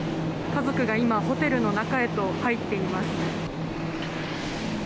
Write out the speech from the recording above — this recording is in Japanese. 家族が今ホテルの中へと入っています。